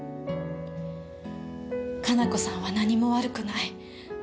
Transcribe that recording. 可奈子さんは何も悪くない。